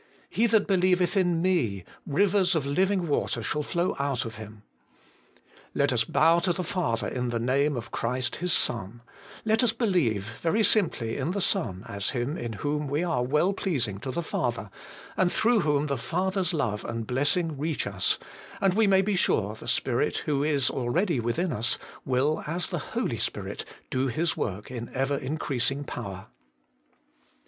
' He that believeth in me, rivers of living water shall flow out of him.' Let us bow to the Father in the name of Christ, His Son ; let us believe very simply in the Son as Him in whom we are well pleasing to the Father, and through whom the Father's love and blessing reach us, and we may be sure the Spirit, who is already within us, will, as the Holy Spirit, do His work in ever increasing power.